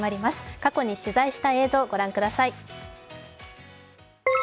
過去に取材した映像、ご覧ください。